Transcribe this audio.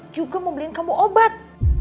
juga mau beliin kamu obat